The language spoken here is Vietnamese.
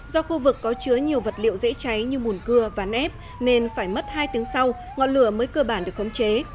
do khu vực có chứa nhiều vật liệu dễ cháy như mùn cưa ván ép nên phải mất hai tiếng sau ngọn lửa mới cơ bản được khống chế